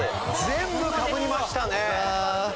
全部かぶりましたね。